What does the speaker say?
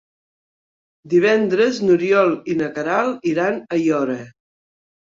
Divendres n'Oriol i na Queralt iran a Aiora.